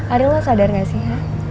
ari lo sadar gak sih